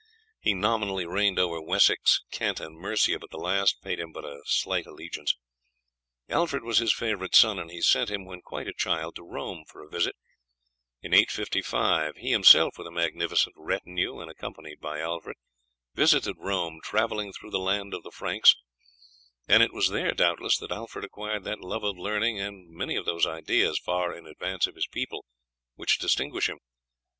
He nominally reigned over Wessex, Kent, and Mercia, but the last paid him but a slight allegiance. Alfred was his favourite son, and he sent him, when quite a child, to Rome for a visit. In 855 he himself, with a magnificent retinue, and accompanied by Alfred, visited Rome, travelling through the land of the Franks, and it was there, doubtless, that Alfred acquired that love of learning, and many of those ideas, far in advance of his people, which distinguish him.